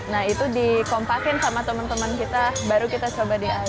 nah itu dikompakin sama teman teman kita baru kita coba dialih